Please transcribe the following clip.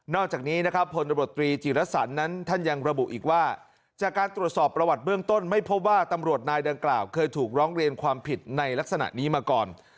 จากนี้นะครับพลตำรวจตรีจิรสันนั้นท่านยังระบุอีกว่าจากการตรวจสอบประวัติเบื้องต้นไม่พบว่าตำรวจนายดังกล่าวเคยถูกร้องเรียนความผิดในลักษณะนี้มาก่อน